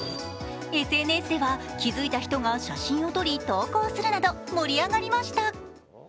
ＳＮＳでは気づいた人が写真を撮り投稿するなど盛り上がりました。